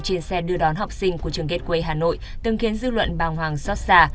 trên xe đưa đón học sinh của trường gateway hà nội từng khiến dư luận bàng hoàng xót xa